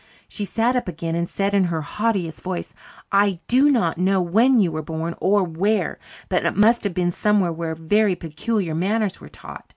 She sat up again and said in her haughtiest voice, "I do not know when you were born, or where, but it must have been somewhere where very peculiar manners were taught.